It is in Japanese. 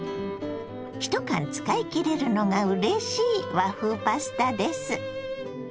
１缶使い切れるのがうれしい和風パスタです。